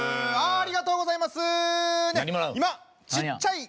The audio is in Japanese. ありがとうございます